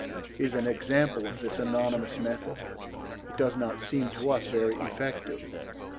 is an example of this anonymous method. It does not seem to us very effective.